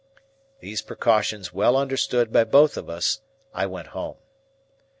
These precautions well understood by both of us, I went home.